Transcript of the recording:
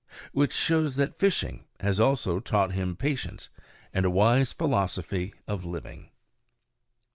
Which shows that fishing has also taught him patience, and a wise philosophy of living.